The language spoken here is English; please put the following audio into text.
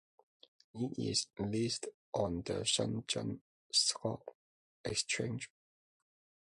It is listed on the Shenzhen Stock Exchange.